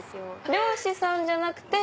漁師さんじゃなくて。